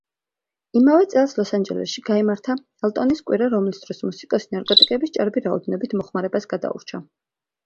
იმავე წელს ლოს-ანჯელესში გაიმართა „ელტონის კვირა“, რომლის დროს მუსიკოსი ნარკოტიკების ჭარბი რაოდენობით მოხმარებას გადაურჩა.